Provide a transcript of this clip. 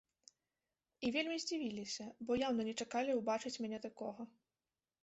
І вельмі здзівіліся, бо яўна не чакалі ўбачыць мяне такога.